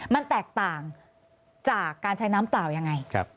มันแตกต่างจากการใช้น้ำเปล่ายังไง